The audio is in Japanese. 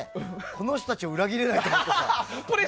この人たちを裏切れないと思ったら。